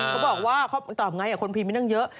เขาบอกว่าตอบไงคนพีมมีนั่งเยอะ